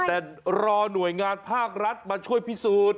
แต่รอหน่วยงานภาครัฐมาช่วยพิสูจน์